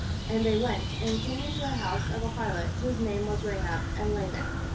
And they went, and came into the house of a harlot whose name was Eahab, and lay there.